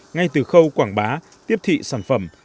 ngay từ khâu quảng bá tiếp thị sản phẩm